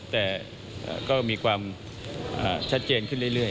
แต่ก็มีความชัดเจนขึ้นเรื่อย